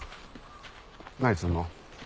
何すんの？